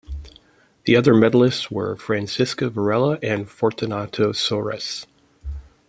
The other medallists were Francisca Varela and Fortunato Soares.